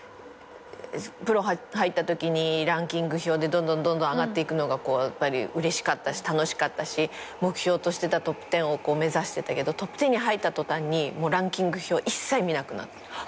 プロ入ったときにランキング表でどんどん上がっていくのがやっぱりうれしかったし楽しかったし目標としてたトップ１０を目指してたけどトップ１０に入った途端にランキング表一切見なくなった。